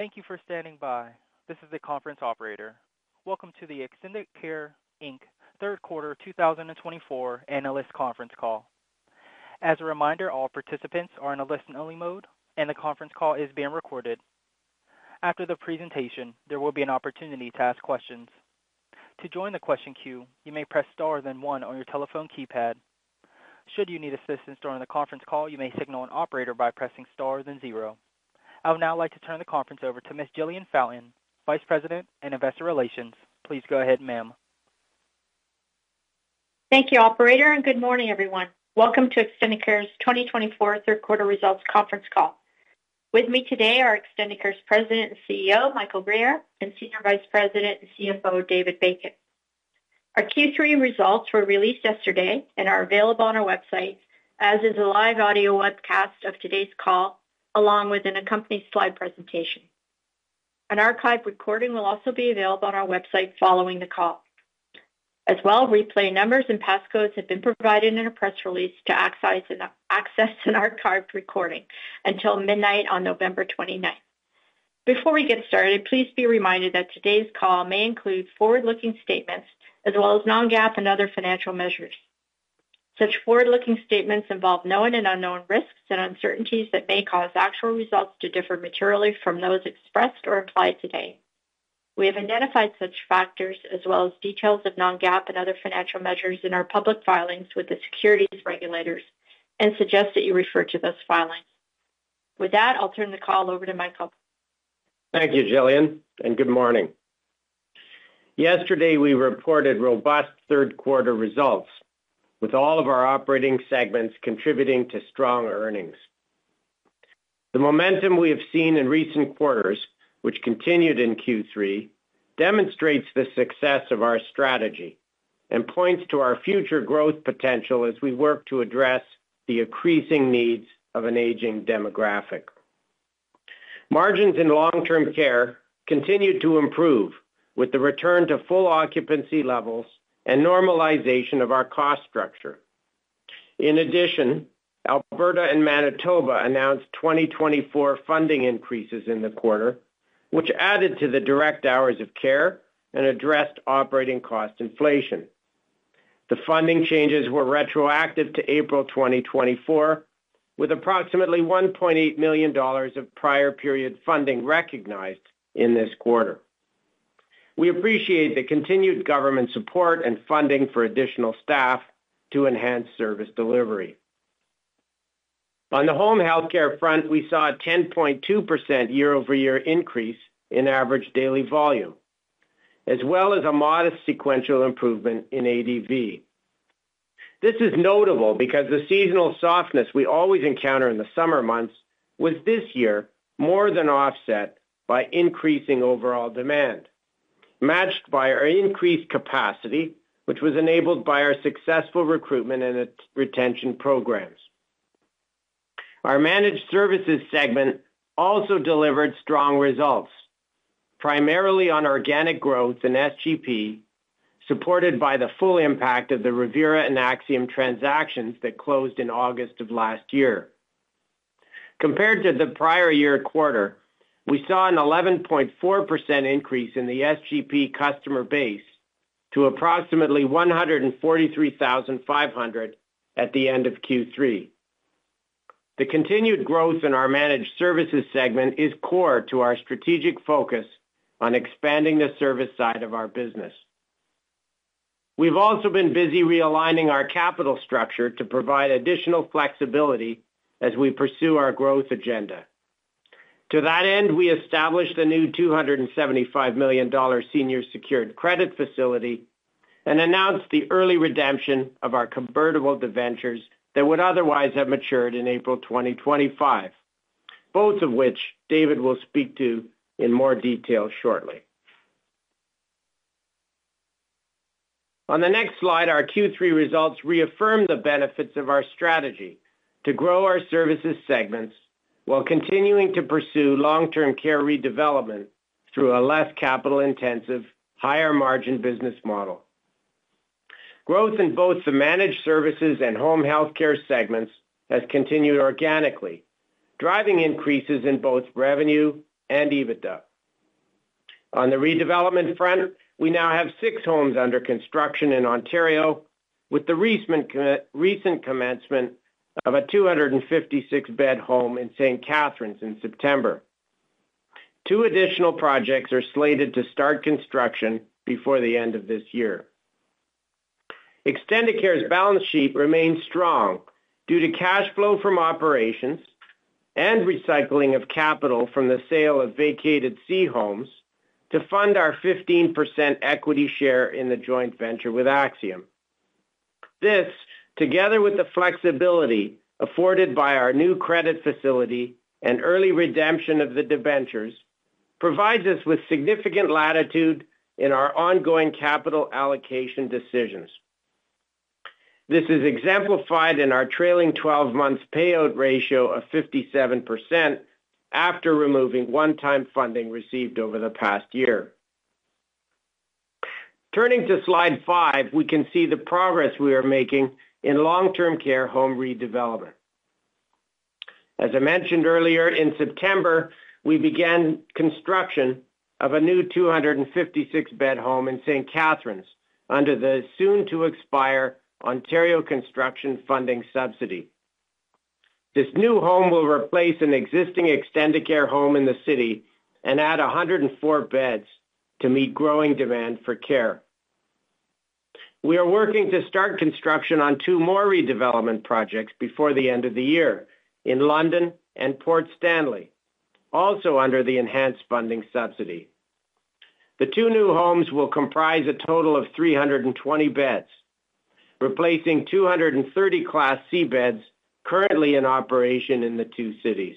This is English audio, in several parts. Thank you for standing by. This is the conference operator. Welcome to the Extendicare Inc. third quarter 2024 analyst conference call. As a reminder, all participants are in a listen-only mode, and the conference call is being recorded. After the presentation, there will be an opportunity to ask questions. To join the question queue, you may press star then one on your telephone keypad. Should you need assistance during the conference call, you may signal an operator by pressing star then zero. I would now like to turn the conference over to Ms. Jillian Fountain, Vice President in Investor Relations. Please go ahead, ma'am. Thank you, Operator, and good morning, everyone. Welcome to Extendicare's 2024 third quarter results conference call. With me today are Extendicare's President and CEO, Michael Guerriere, and Senior Vice President and CFO, David Bacon. Our Q3 results were released yesterday and are available on our website, as is a live audio webcast of today's call, along with an accompanying slide presentation. An archived recording will also be available on our website following the call. As well, replay numbers and passcodes have been provided in a press release to access an archived recording until midnight on November 29th. Before we get started, please be reminded that today's call may include forward-looking statements as well as non-GAAP and other financial measures. Such forward-looking statements involve known and unknown risks and uncertainties that may cause actual results to differ materially from those expressed or implied today. We have identified such factors as well as details of non-GAAP and other financial measures in our public filings with the securities regulators and suggest that you refer to those filings. With that, I'll turn the call over to Michael. Thank you, Jillian, and good morning. Yesterday, we reported robust third quarter results, with all of our operating segments contributing to strong earnings. The momentum we have seen in recent quarters, which continued in Q3, demonstrates the success of our strategy and points to our future growth potential as we work to address the increasing needs of an aging demographic. Margins in long-term care continued to improve, with the return to full occupancy levels and normalization of our cost structure. In addition, Alberta and Manitoba announced 2024 funding increases in the quarter, which added to the direct hours of care and addressed operating cost inflation. The funding changes were retroactive to April 2024, with approximately 1.8 million dollars of prior period funding recognized in this quarter. We appreciate the continued government support and funding for additional staff to enhance service delivery. On the home healthcare front, we saw a 10.2% year-over-year increase in average daily volume, as well as a modest sequential improvement in ADV. This is notable because the seasonal softness we always encounter in the summer months was this year more than offset by increasing overall demand, matched by our increased capacity, which was enabled by our successful recruitment and retention programs. Our managed services segment also delivered strong results, primarily on organic growth and SGP, supported by the full impact of the Revera and Axium transactions that closed in August of last year. Compared to the prior year quarter, we saw an 11.4% increase in the SGP customer base to approximately 143,500 at the end of Q3. The continued growth in our managed services segment is core to our strategic focus on expanding the service side of our business. We've also been busy realigning our capital structure to provide additional flexibility as we pursue our growth agenda. To that end, we established a new 275 million dollar senior secured credit facility and announced the early redemption of our convertible debentures that would otherwise have matured in April 2025, both of which David will speak to in more detail shortly. On the next slide, our Q3 results reaffirm the benefits of our strategy to grow our services segments while continuing to pursue long-term care redevelopment through a less capital-intensive, higher-margin business model. Growth in both the managed services and home healthcare segments has continued organically, driving increases in both revenue and EBITDA. On the redevelopment front, we now have six homes under construction in Ontario, with the recent commencement of a 256-bed home in St. Catharines in September. Two additional projects are slated to start construction before the end of this year. Extendicare's balance sheet remains strong due to cash flow from operations and recycling of capital from the sale of vacated C homes to fund our 15% equity share in the joint venture with Axium. This, together with the flexibility afforded by our new credit facility and early redemption of the debentures, provides us with significant latitude in our ongoing capital allocation decisions. This is exemplified in our trailing 12-month payout ratio of 57% after removing one-time funding received over the past year. Turning to slide five, we can see the progress we are making in long-term care home redevelopment. As I mentioned earlier, in September, we began construction of a new 256-bed home in St. Catharines under the soon-to-expire Ontario Construction Funding Subsidy. This new home will replace an existing Extendicare home in the city and add 104 beds to meet growing demand for care. We are working to start construction on two more redevelopment projects before the end of the year in London and Port Stanley, also under the enhanced funding subsidy. The two new homes will comprise a total of 320 beds, replacing 230 Class C beds currently in operation in the two cities.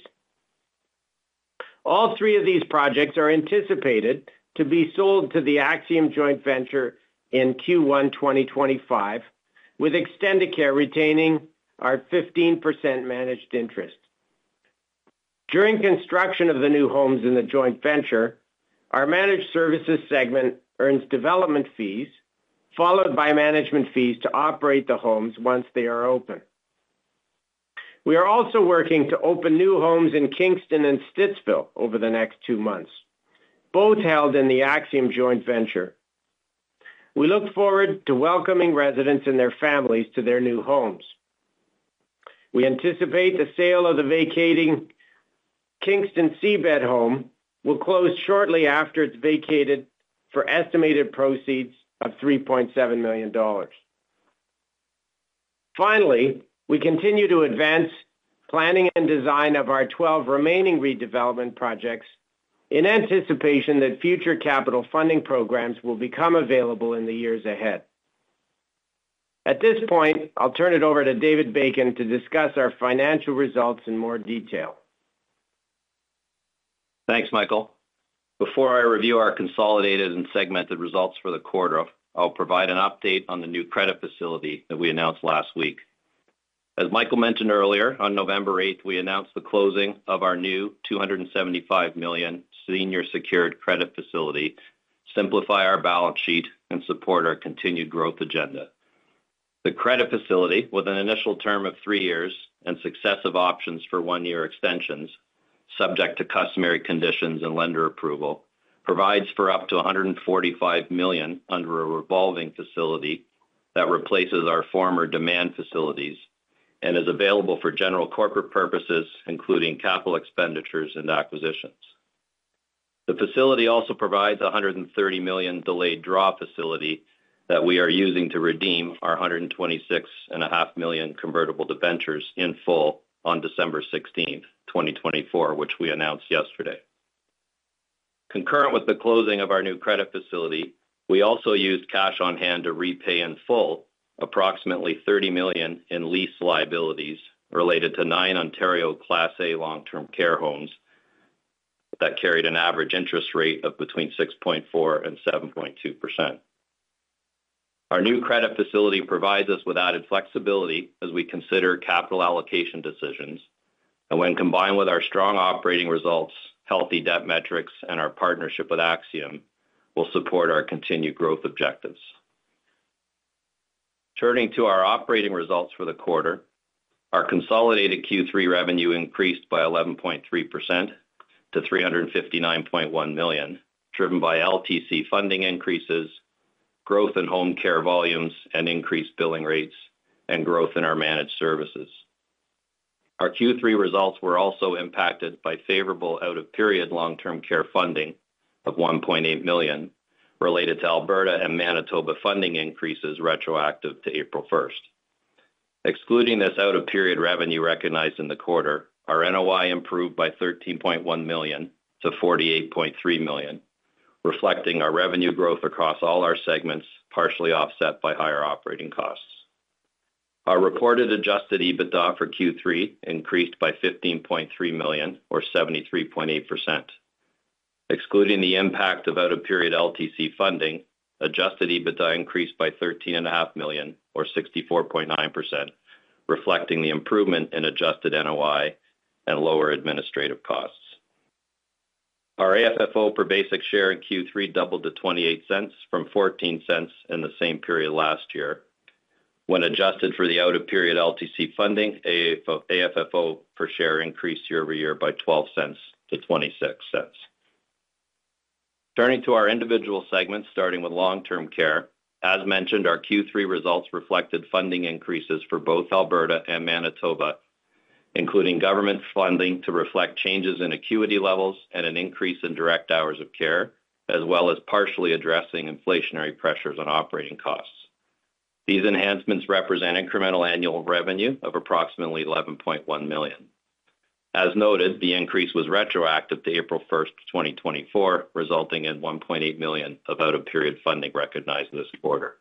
All three of these projects are anticipated to be sold to the Axium joint venture in Q1 2025, with Extendicare retaining our 15% managed interest. During construction of the new homes in the joint venture, our managed services segment earns development fees, followed by management fees to operate the homes once they are open. We are also working to open new homes in Kingston and Stittsville over the next two months, both held in the Axium joint venture. We look forward to welcoming residents and their families to their new homes. We anticipate the sale of the vacating Kingston Class C home will close shortly after it's vacated for estimated proceeds of 3.7 million dollars. Finally, we continue to advance planning and design of our 12 remaining redevelopment projects in anticipation that future capital funding programs will become available in the years ahead. At this point, I'll turn it over to David Bacon to discuss our financial results in more detail. Thanks, Michael. Before I review our consolidated and segmented results for the quarter, I'll provide an update on the new credit facility that we announced last week. As Michael mentioned earlier, on November 8th, we announced the closing of our new 275 million senior secured credit facility to simplify our balance sheet and support our continued growth agenda. The credit facility, with an initial term of three years and successive options for one-year extensions subject to customary conditions and lender approval, provides for up to 145 million under a revolving facility that replaces our former demand facilities and is available for general corporate purposes, including capital expenditures and acquisitions. The facility also provides a 130 million delayed draw facility that we are using to redeem our 126.5 million convertible debentures in full on December 16th, 2024, which we announced yesterday. Concurrent with the closing of our new credit facility, we also used cash on hand to repay in full approximately 30 million in lease liabilities related to nine Ontario Class A long-term care homes that carried an average interest rate of between 6.4% and 7.2%. Our new credit facility provides us with added flexibility as we consider capital allocation decisions, and when combined with our strong operating results, healthy debt metrics, and our partnership with Axium, we'll support our continued growth objectives. Turning to our operating results for the quarter, our consolidated Q3 revenue increased by 11.3% to 359.1 million, driven by LTC funding increases, growth in home care volumes, and increased billing rates, and growth in our managed services. Our Q3 results were also impacted by favorable out-of-period long-term care funding of 1.8 million related to Alberta and Manitoba funding increases retroactive to April 1st. Excluding this out-of-period revenue recognized in the quarter, our NOI improved by 13.1 million-48.3 million, reflecting our revenue growth across all our segments, partially offset by higher operating costs. Our reported Adjusted EBITDA for Q3 increased by 15.3 million, or 73.8%. Excluding the impact of out-of-period LTC funding, Adjusted EBITDA increased by 13.5 million, or 64.9%, reflecting the improvement in adjusted NOI and lower administrative costs. Our AFFO per basic share in Q3 doubled to 0.28 from 0.14 in the same period last year. When adjusted for the out-of-period LTC funding, AFFO per share increased year over year by 0.12-0.26. Turning to our individual segments, starting with long-term care, as mentioned, our Q3 results reflected funding increases for both Alberta and Manitoba, including government funding to reflect changes in acuity levels and an increase in direct hours of care, as well as partially addressing inflationary pressures on operating costs. These enhancements represent incremental annual revenue of approximately 11.1 million. As noted, the increase was retroactive to April 1st, 2024, resulting in 1.8 million of out-of-period funding recognized this quarter.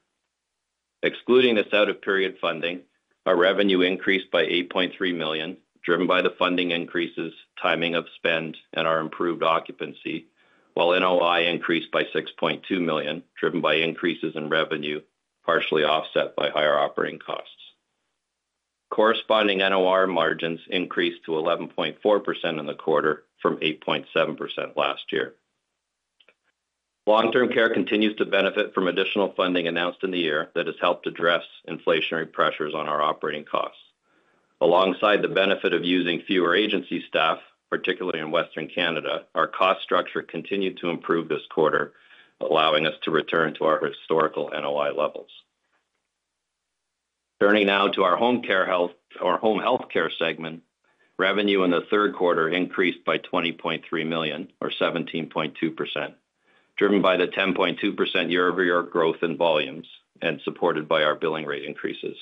Excluding this out-of-period funding, our revenue increased by 8.3 million, driven by the funding increases, timing of spend, and our improved occupancy, while NOI increased by 6.2 million, driven by increases in revenue, partially offset by higher operating costs. Corresponding NOI margins increased to 11.4% in the quarter from 8.7% last year. Long-term care continues to benefit from additional funding announced in the year that has helped address inflationary pressures on our operating costs. Alongside the benefit of using fewer agency staff, particularly in Western Canada, our cost structure continued to improve this quarter, allowing us to return to our historical NOI levels. Turning now to our home healthcare segment, revenue in the third quarter increased by 20.3 million, or 17.2%, driven by the 10.2% year-over-year growth in volumes and supported by our billing rate increases.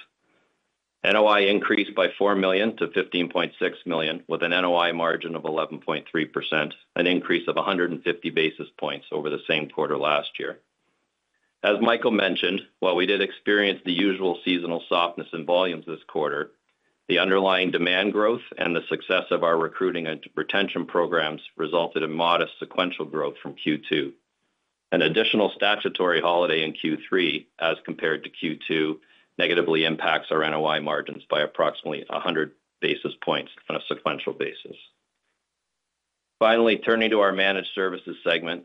NOI increased by 4 million-15.6 million, with an NOI margin of 11.3%, an increase of 150 basis points over the same quarter last year. As Michael mentioned, while we did experience the usual seasonal softness in volumes this quarter, the underlying demand growth and the success of our recruiting and retention programs resulted in modest sequential growth from Q2. An additional statutory holiday in Q3, as compared to Q2, negatively impacts our NOI margins by approximately 100 basis points on a sequential basis. Finally, turning to our managed services segment,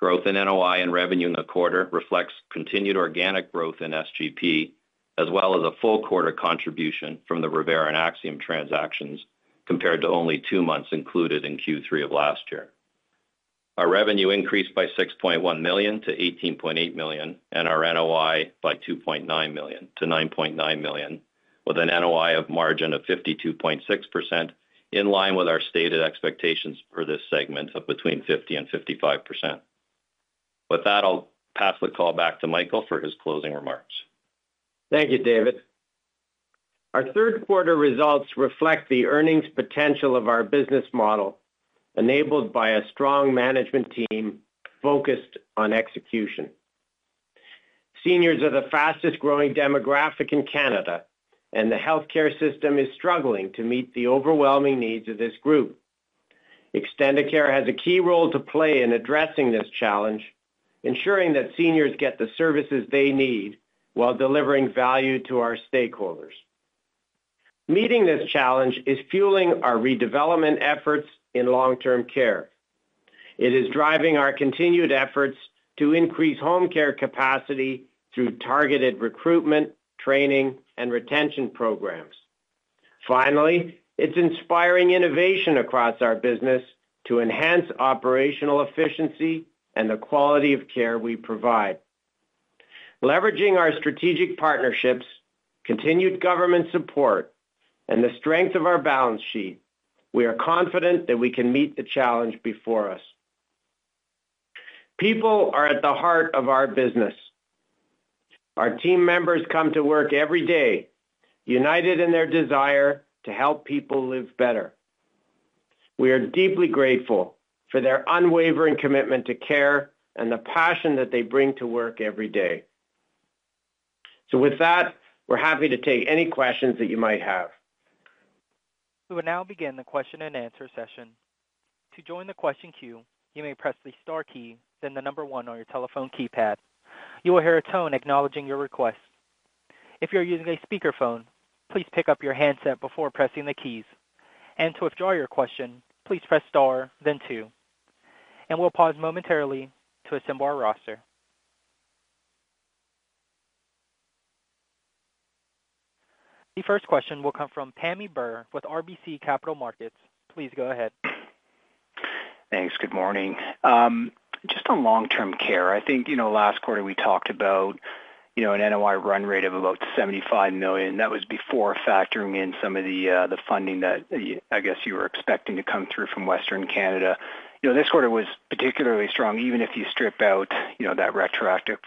growth in NOI and revenue in the quarter reflects continued organic growth in SGP, as well as a full quarter contribution from the Revera and Axium transactions compared to only two months included in Q3 of last year. Our revenue increased by 6.1 million-18.8 million, and our NOI by 2.9 million-9.9 million, with an NOI margin of 52.6%, in line with our stated expectations for this segment of between 50% and 55%. With that, I'll pass the call back to Michael for his closing remarks. Thank you, David. Our third quarter results reflect the earnings potential of our business model, enabled by a strong management team focused on execution. Seniors are the fastest-growing demographic in Canada, and the healthcare system is struggling to meet the overwhelming needs of this group. Extendicare has a key role to play in addressing this challenge, ensuring that seniors get the services they need while delivering value to our stakeholders. Meeting this challenge is fueling our redevelopment efforts in long-term care. It is driving our continued efforts to increase home care capacity through targeted recruitment, training, and retention programs. Finally, it's inspiring innovation across our business to enhance operational efficiency and the quality of care we provide. Leveraging our strategic partnerships, continued government support, and the strength of our balance sheet, we are confident that we can meet the challenge before us. People are at the heart of our business. Our team members come to work every day, united in their desire to help people live better. We are deeply grateful for their unwavering commitment to care and the passion that they bring to work every day. So with that, we're happy to take any questions that you might have. We will now begin the question and answer session. To join the question queue, you may press the star key, then the number one on your telephone keypad. You will hear a tone acknowledging your request. If you're using a speakerphone, please pick up your handset before pressing the keys. And to withdraw your question, please press star, then two. And we'll pause momentarily to assemble our roster. The first question will come from Pammi Bir with RBC Capital Markets. Please go ahead. Thanks. Good morning. Just on long-term care, I think last quarter we talked about an NOI run rate of about 75 million. That was before factoring in some of the funding that I guess you were expecting to come through from Western Canada. This quarter was particularly strong, even if you strip out that retroactive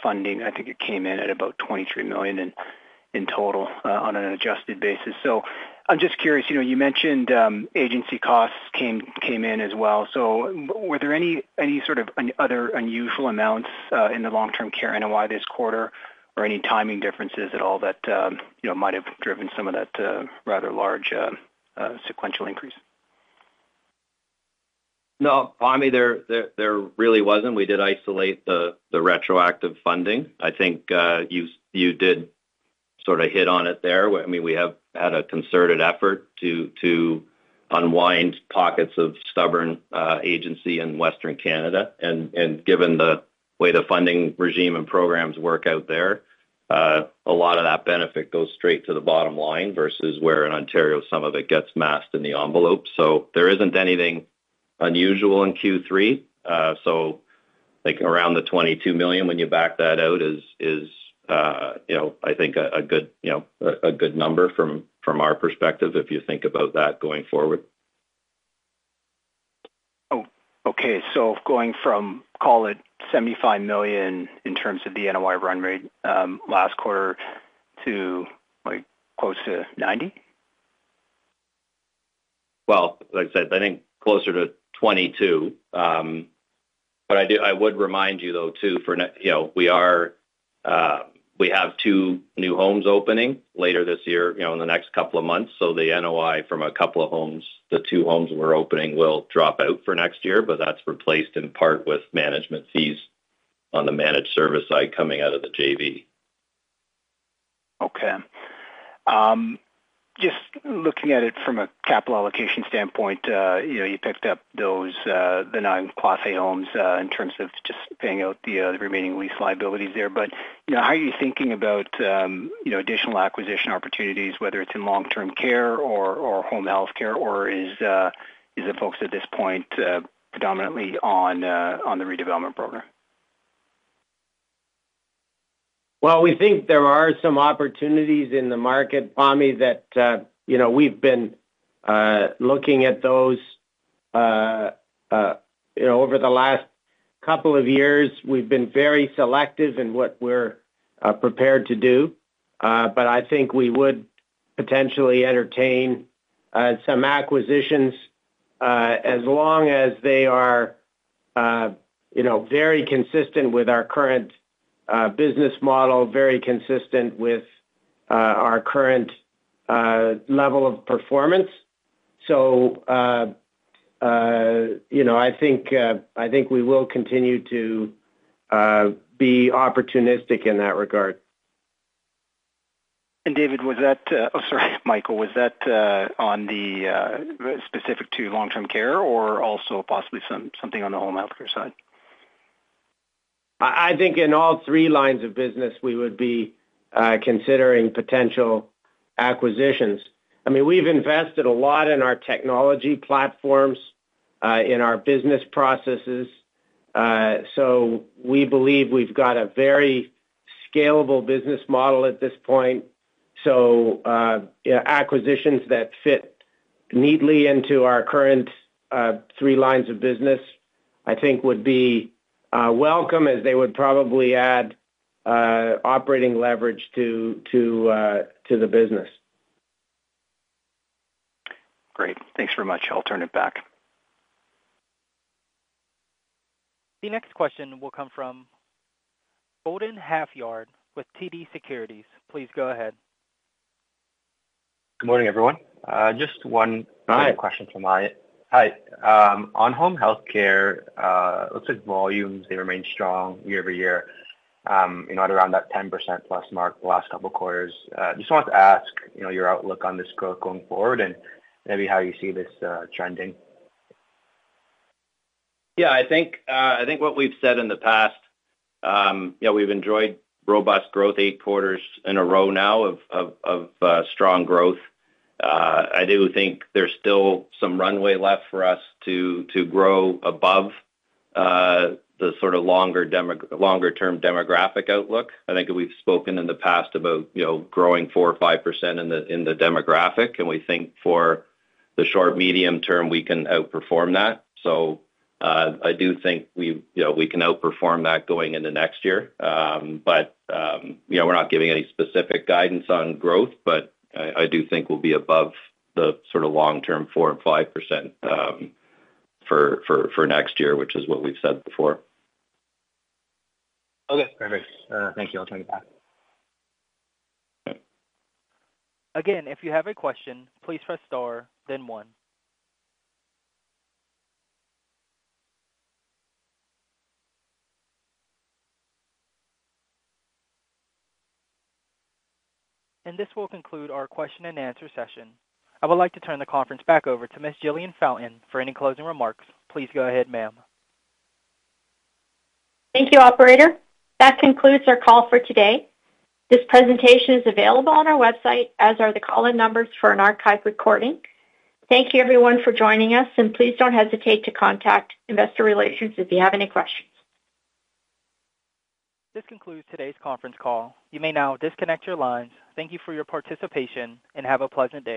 funding. I think it came in at about 23 million in total on an adjusted basis. So I'm just curious, you mentioned agency costs came in as well. So were there any sort of other unusual amounts in the long-term care NOI this quarter, or any timing differences at all that might have driven some of that rather large sequential increase? No, Pammi, there really wasn't. We did isolate the retroactive funding. I think you did sort of hit on it there. I mean, we have had a concerted effort to unwind pockets of stubborn agency in Western Canada. And given the way the funding regime and programs work out there, a lot of that benefit goes straight to the bottom line versus where in Ontario some of it gets masked in the envelope. So there isn't anything unusual in Q3. So around 22 million, when you back that out, is I think a good number from our perspective if you think about that going forward. Oh, okay. So going from, call it, 75 million in terms of the NOI run rate last quarter to close to 90 million? Like I said, I think closer to 22 million. But I would remind you, though, too, we have two new homes opening later this year in the next couple of months. So the NOI from a couple of homes, the two homes we're opening, will drop out for next year, but that's replaced in part with management fees on the managed service side coming out of the JV. Okay. Just looking at it from a capital allocation standpoint, you picked up the nine Class A homes in terms of just paying out the remaining lease liabilities there. But how are you thinking about additional acquisition opportunities, whether it's in long-term care or home healthcare, or is the focus at this point predominantly on the redevelopment program? We think there are some opportunities in the market, Pammi, that we've been looking at those. Over the last couple of years, we've been very selective in what we're prepared to do. But I think we would potentially entertain some acquisitions as long as they are very consistent with our current business model, very consistent with our current level of performance. So I think we will continue to be opportunistic in that regard. And David, was that, oh, sorry, Michael, was that specific to long-term care or also possibly something on the home healthcare side? I think in all three lines of business, we would be considering potential acquisitions. I mean, we've invested a lot in our technology platforms, in our business processes. So we believe we've got a very scalable business model at this point. So acquisitions that fit neatly into our current three lines of business, I think, would be welcome, as they would probably add operating leverage to the business. Great. Thanks very much. I'll turn it back. The next question will come from Golden Halfyard with TD Securities. Please go ahead. Good morning, everyone. Just one question from my. Hi. Hi. On home healthcare, it looks like volumes, they remain strong year over year, at around that 10%+ mark the last couple of quarters. Just wanted to ask your outlook on this growth going forward and maybe how you see this trending? Yeah. I think what we've said in the past, we've enjoyed robust growth eight quarters in a row now of strong growth. I do think there's still some runway left for us to grow above the sort of longer-term demographic outlook. I think we've spoken in the past about growing 4% or 5% in the demographic, and we think for the short-medium term, we can outperform that. So I do think we can outperform that going into next year. But we're not giving any specific guidance on growth, but I do think we'll be above the sort of long-term 4% and 5% for next year, which is what we've said before. Okay. Perfect. Thank you. I'll turn it back. Again, if you have a question, please press star, then one. And this will conclude our question and answer session. I would like to turn the conference back over to Ms. Jillian Fountain for any closing remarks. Please go ahead, ma'am. Thank you, Operator. That concludes our call for today. This presentation is available on our website, as are the call-in numbers for an archived recording. Thank you, everyone, for joining us, and please don't hesitate to contact Investor Relations if you have any questions. This concludes today's conference call. You may now disconnect your lines. Thank you for your participation, and have a pleasant day.